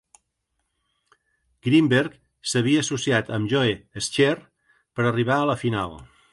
Greenberg s'havia associat amb Joe Scherr per arribar a la final.